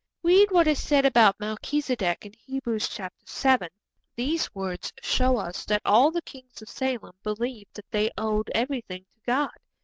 Read what is said about Melchizedek in Hebrews vii. These words show us that all the kings of Salem believed that they owed everything to God.